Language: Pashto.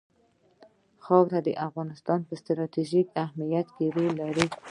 خاوره د افغانستان په ستراتیژیک اهمیت کې رول لري.